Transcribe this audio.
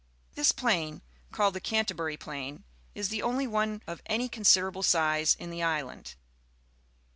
This plain, called the Cnnterhurjj Plain, is the only one of any considerable size in the island.